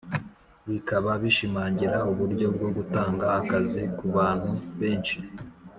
bikaba bishimangira uburyo bwo gutanga akazi ku bantu benshi